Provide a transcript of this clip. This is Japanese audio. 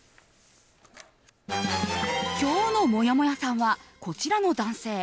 今日のもやもやさんはこちらの男性。